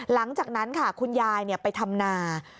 หลังจากนั้นค่ะคุณยายไปทำนา